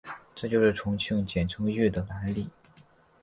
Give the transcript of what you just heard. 这就是重庆简称渝的来历。